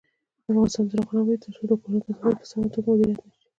افغانستان تر هغو نه ابادیږي، ترڅو د کورونو کثافات په سمه توګه مدیریت نشي.